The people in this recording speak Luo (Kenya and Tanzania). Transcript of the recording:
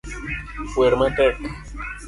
wer matek